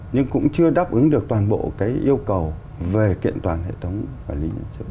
nhưng cũng chưa đáp ứng được toàn bộ cái yêu cầu về kiện toàn hệ thống quản lý